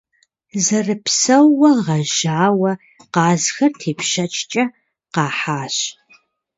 Зэрыпсэууэ гъэжьауэ къазхэр тепщэчкӀэ къахьащ.